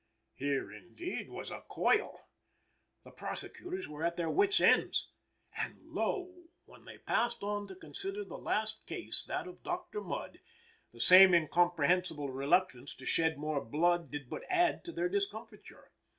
Here, indeed, was a coil! The prosecutors were at their wits' ends. And lo! when they passed on to consider the last case, that of Dr. Mudd, the same incomprehensible reluctance to shed more blood did but add to their discomfiture.